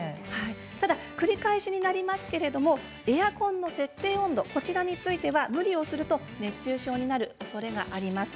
繰り返しになりますけれどエアコンの設定温度については無理をすると熱中症になるおそれがあります。